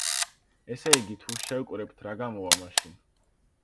ესე იგი, თუ შევკრებთ, რა გამოვა მაშინ?